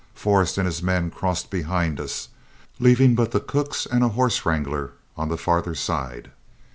Forrest and his men crossed behind us, leaving but the cooks and a horse wrangler on the farther side.